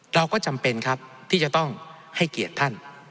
เราก็จำเป็นครับที่จะต้องให้เกียรติท่าน